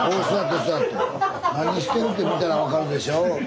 何してるって見たら分かるでしょう？